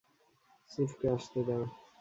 চিফকে আসতে দাও।